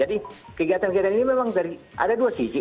jadi kegiatan kegiatan ini memang ada dua sisi